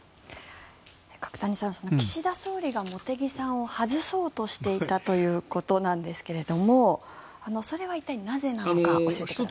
角谷さん、岸田総理が茂木さんを外そうとしていたということなんですがそれは一体、なぜなのか教えてください。